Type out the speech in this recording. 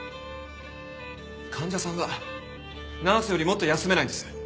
患者さんはナースよりもっと休めないんです。